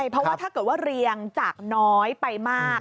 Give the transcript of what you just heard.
เพราะว่าถ้าเกิดว่าเรียงจากน้อยไปมาก